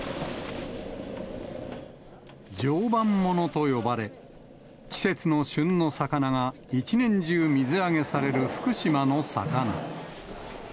常磐ものと呼ばれ、季節の旬の魚が一年中水揚げされる福島の魚。